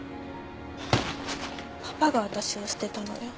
パパが私を捨てたのよ。